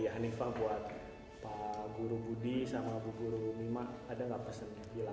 hanifah buat guru budi sama guru mima ada nggak mau bilang apa buat mereka